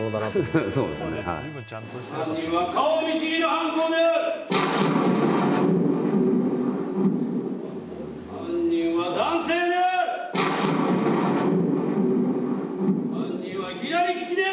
犯人は男性である！